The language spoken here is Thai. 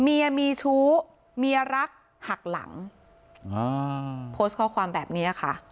เมียมีชู้เมียรักหักหลังอ่าโพสต์ข้อความแบบนี้ค่ะ